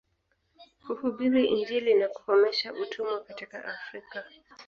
Kuhubiri injili na kukomesha utumwa katika Afrika